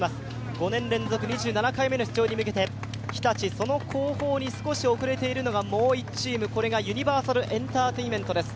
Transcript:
５年連続２７回目の出場に向けて日立少し遅れているのがもう１チーム、ユニバーサルエンターテインメントです。